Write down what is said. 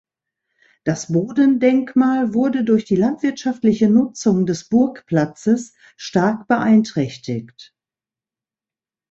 Das Bodendenkmal wurde durch die landwirtschaftliche Nutzung des Burgplatzes stark beeinträchtigt.